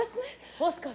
オスカル。